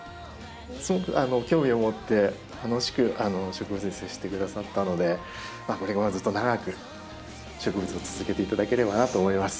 すごく興味を持って楽しく植物に接してくださったのでこれからもずっと長く植物を続けていただければなと思います。